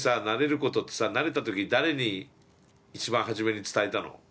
ことってさなれた時誰に一番初めに伝えたの？